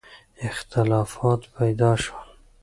اختلافات پیدا شول.